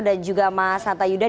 dan juga mas hanta yuda